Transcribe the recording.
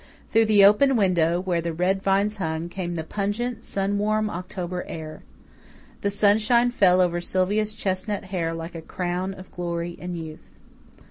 Through the open window, where the red vines hung, came the pungent, sun warm October air. The sunshine fell over Sylvia's chestnut hair like a crown of glory and youth.